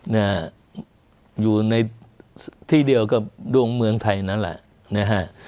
นะฮะอยู่ในที่เดียวกับดวงเมืองไทยนั่นแหละนะฮะ